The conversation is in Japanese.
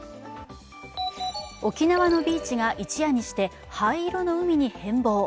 沖縄のビーチが一夜にして灰色の海に変貌。